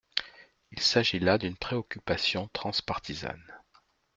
Il s’agit là d’une préoccupation trans-partisane.